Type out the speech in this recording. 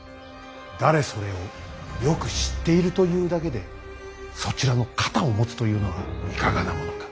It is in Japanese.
誰それをよく知っているというだけでそちらの肩を持つというのはいかがなものか。